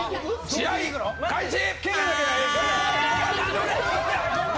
試合、開始！